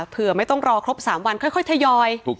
เผื่อไม่ต้องรอครบ๓วันค่อยทยอย